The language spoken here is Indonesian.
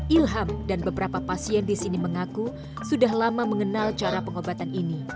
ilham dan beberapa pasien di sini mengaku sudah lama mengenal cara pengobatan ini